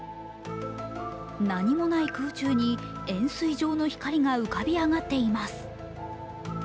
何もない空中に円すい状の光が浮かび上がっています。